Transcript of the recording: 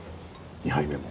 ２杯目も。